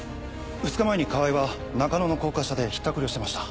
２日前に河合は中野の高架下でひったくりをしてました。